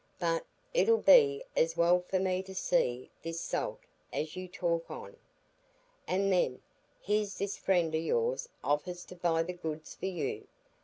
But it 'ull be as well for me to see this Salt, as you talk on. And then—here's this friend o' yours offers to buy the goods for you.